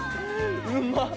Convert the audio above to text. うまっ！